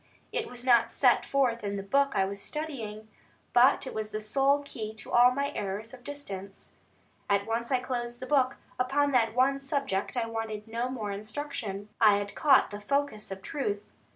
It was not set forth in the book I was studying; but it was the sole key to all my errors of distance. At once I closed the book; upon that one subject I wanted no more instruction, I had caught the focus of truth.